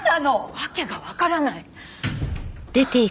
訳がわからない。